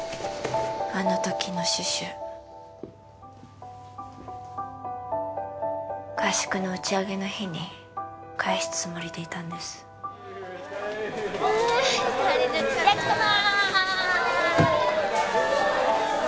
あの時のシュシュ合宿の打ち上げの日に返すつもりでいたんです焼きそばー！